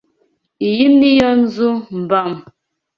Iyi niyo nzu mbamo.